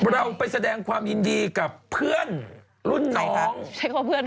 เราไปแสดงความยินดีกับเพื่อนรุ่นน้องใช้ความ